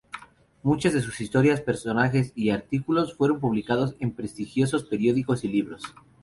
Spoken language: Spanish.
Muchas de sus historias, personajes y artículos fueron publicados en prestigiosos periódicos y libros.